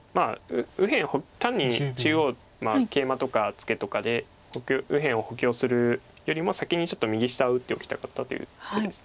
右辺単に中央ケイマとかツケとかで右辺を補強するよりも先にちょっと右下を打っておきたかったという手です。